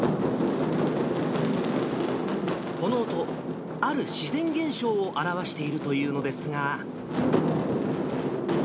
この音、ある自然現象を表しているというのですが。